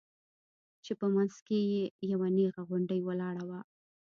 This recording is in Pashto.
چې په منځ کښې يې يوه نيغه غونډۍ ولاړه وه.